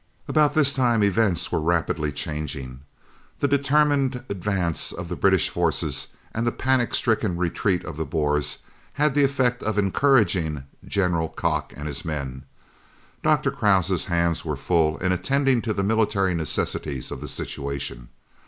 About this time events were rapidly changing. The determined advance of the British forces and the panic stricken retreat of the Boers had the effect of encouraging "General" Kock and his men. Dr. Krause's hands were full in attending to the military necessities of the situation.